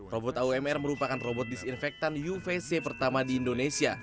robot aumr merupakan robot disinfektan uvc pertama di indonesia